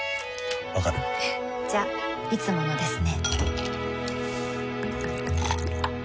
わかる？じゃいつものですね